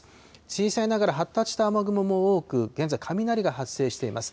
小さいながら発達した雨雲も多く、現在、雷が発生しています。